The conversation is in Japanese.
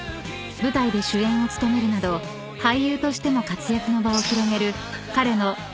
［舞台で主演を務めるなど俳優としても活躍の場を広げる彼の］